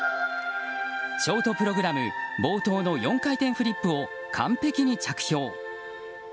ショートプログラム冒頭の４回転フリップを完璧に着氷。